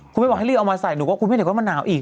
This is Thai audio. คุณไม่บอกให้รีบเอามาใส่หนูก็คุณแม่เดี๋ยวก็มาหนาวอีก